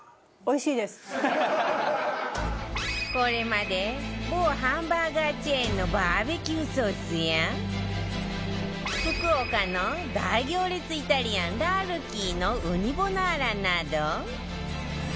これまで某ハンバーガーチェーンの ＢＢＱ ソースや福岡の大行列イタリアンらるきいのウニボナーラなど